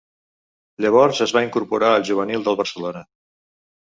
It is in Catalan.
Llavors es va incorporar al juvenil del Barcelona.